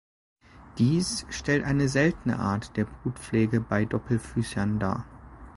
Dies stellt eine seltene Art der Brutpflege bei Doppelfüßern dar.